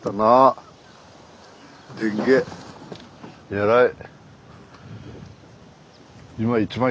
えらい。